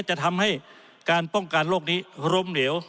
จะทำให้การป้องกันโรคนี้ล้มเหลว